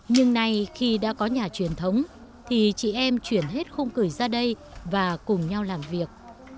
nhưng nay khi đã có nhà truyền thống thì chị em chuyển hết khung cười ra đây và cùng nhau làm việc